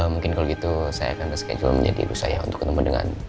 mungkin kalau gitu saya akan reschedule menjadi ibu saya untuk ketemu dengan